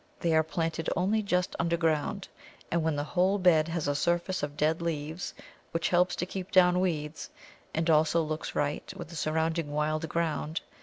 They are planted only just underground, and then the whole bed has a surfacing of dead leaves, which helps to keep down weeds, and also looks right with the surrounding wild ground.